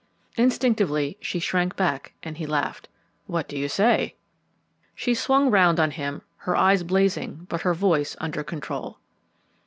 Instinctively she shrank back and he laughed. "What do you say?" She swung round on him, her eyes blazing but her voice under control.